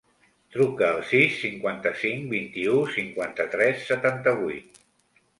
Truca al sis, cinquanta-cinc, vint-i-u, cinquanta-tres, setanta-vuit.